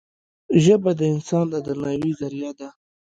ژبه د انسان د درناوي زریعه ده